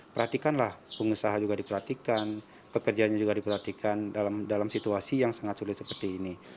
perhatikanlah pengusaha juga diperhatikan pekerjanya juga diperhatikan dalam situasi yang sangat sulit seperti ini